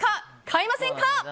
買いませんか？